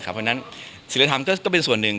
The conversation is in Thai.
เพราะฉะนั้นศิลธรรมก็เป็นส่วนหนึ่ง